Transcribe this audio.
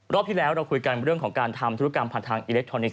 ที่แล้วเราคุยกันเรื่องของการทำธุรกรรมผ่านทางอิเล็กทรอนิกส